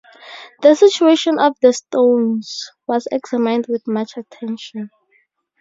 The situation of the stones was examined with much attention.